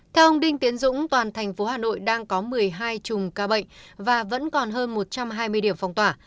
theo ông đinh tiến dũng toàn thành phố hà nội đang có một mươi hai chùm ca bệnh và vẫn còn hơn một trăm hai mươi điểm phong tỏa